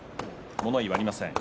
物言いはありません。